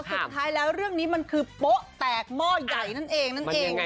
สุดท้ายแล้วเรื่องนี้มันคือโป๊ะแตกหม้อใหญ่นั่นเองนั่นเอง